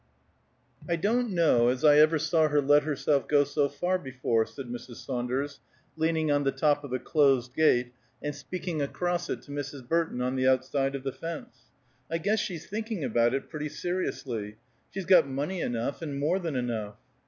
"I don't know as I ever saw her let herself go so far before," said Mrs. Saunders, leaning on the top of the closed gate, and speaking across it to Mrs. Burton on the outside of the fence. "I guess she's thinking about it, pretty seriously. She's got money enough, and more than enough."